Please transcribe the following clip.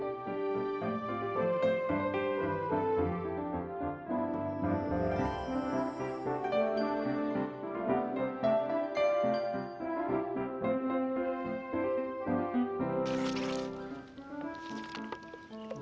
siapa tuh ya